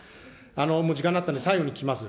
もう時間になったんで最後に聞きます。